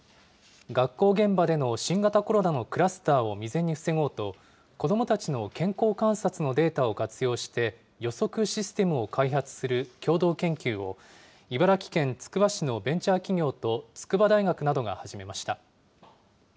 学校現場での新型コロナのクラスターを未然に防ごうと、子どもたちの健康観察のデータを活用して、予測システムを開発する共同研究を、茨城県つくば市のベンチャー企業と筑波大学などが始めました。